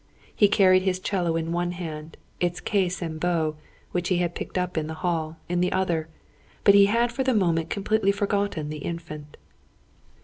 He carried his 'cello in one hand, its case and bow, which he had picked up in the hall, in the other; but he had for the moment completely forgotten the Infant.